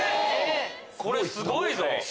これすごいぞ！